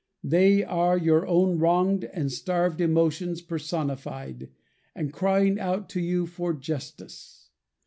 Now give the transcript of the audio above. _They are your own wronged and starved emotions personified, and crying out to you for justice.